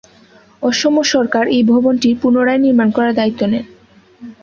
অসম সরকার এই ভবনটির পুনরায় নির্মাণ করার দায়িত্ব নেন।